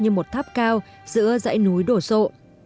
gấp cao giữa dãy núi đổ rộ